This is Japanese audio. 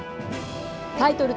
タイトル